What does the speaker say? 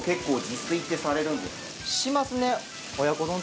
しますね。